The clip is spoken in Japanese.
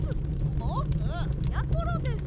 ぼく！やころです！